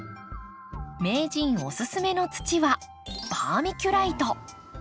名人おすすめの土はバーミキュライト。